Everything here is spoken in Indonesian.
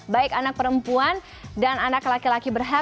baik anak perempuan dan anak laki laki berhati hati